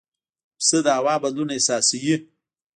پسه د هوا بدلون احساسوي.